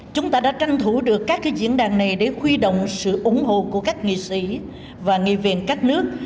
chúng ta đã tranh thủ được các diễn đàn này để huy động sự ủng hộ của các nghị sĩ và nghị viện các nước